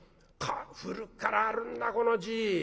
古くからあるんだこの字。